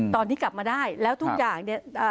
ตอนที่กลับมาได้แล้วทุกอย่างเนี่ย